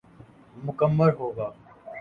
مکمل ہو گا۔